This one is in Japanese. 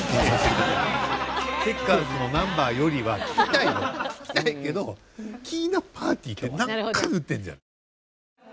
チェッカーズのナンバーよりは聴きたいよ聴きたいけどＫｉｉｎａパーティーって何回も言ってんじゃん。